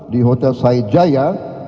di hotel saijaya